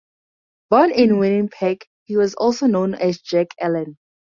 Born in Winnipeg, he was also known as Jack Allen.